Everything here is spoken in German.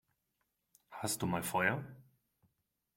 Hast du mal Feuer?